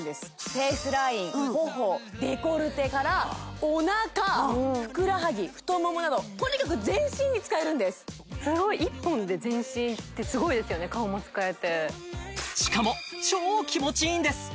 フェイスライン頬デコルテからおなかふくらはぎ太ももなどとにかく全身に使えるんですすごい顔も使えてしかも超気持ちいいんです！